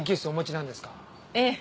ええ。